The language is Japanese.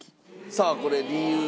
さあこれ理由は？